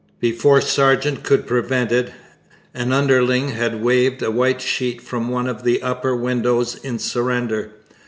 Before Sargeant could prevent it, an underling had waved a white sheet from one of the upper windows in surrender.